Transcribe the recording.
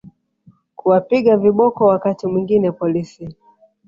kuwapiga viboko Wakati mwingine polisi